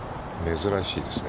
珍しいですね。